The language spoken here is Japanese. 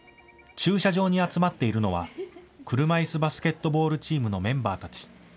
駐車場に集まっているのは車いすバスケットボールチームのメンバーたち。